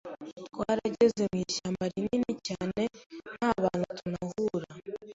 twaragenze mu ishyamba rinini cyane nta bantu tunahura,